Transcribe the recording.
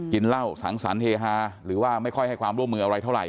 กินเหล้าสังสรรคเฮฮาหรือว่าไม่ค่อยให้ความร่วมมืออะไรเท่าไห